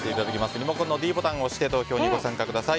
リモコンのｄボタンを押して投票にご参加ください。